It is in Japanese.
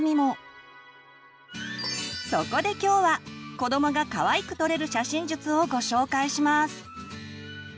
そこで今日は子どもがかわいく撮れる写真術をご紹介します！